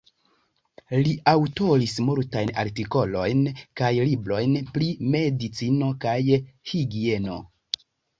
Li aŭtoris multajn artikolojn kaj librojn pri medicino kaj higieno.